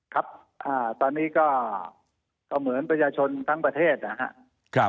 ครับตอนนี้ก็เหมือนประชาชนทั้งประเทศนะครับ